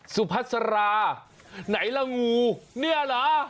สุพัสราไหนล่ะงูเนี่ยเหรอ